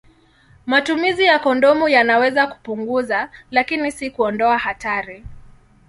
Matumizi ya kondomu yanaweza kupunguza, lakini si kuondoa hatari.